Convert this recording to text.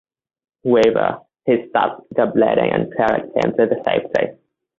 Weaver, he stopped the bleeding and carried him to the safety.